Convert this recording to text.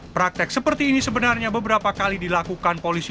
praktek seperti ini sebenarnya beberapa kali dilakukan polisi